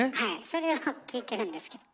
それを聞いてるんですけど。